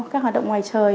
các hoạt động ngoài trời